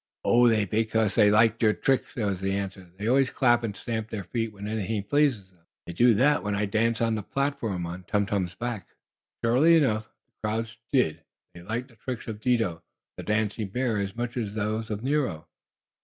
"Oh, that's because they liked your tricks," was the answer. "They always clap and stamp their feet when anything pleases them. They do that when I dance on the platform on Tum Tum's back." And, surely enough, the circus crowds did. They liked the tricks of Dido, the dancing bear, as much as they had those of Nero.